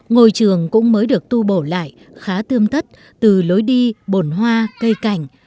ngôi trường cũng mới được tu bổ lại khá tươm tất từ lối đi bồn hoa cây cảnh